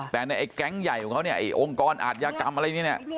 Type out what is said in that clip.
แต่ในไอแก๊งใหญ่ของเขาเนี่ยไอ้องค์กรอาทยากรรมอะไรนี้เนี่ย